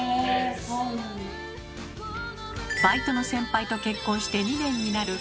バイトの先輩と結婚して２年になる貝川さんも。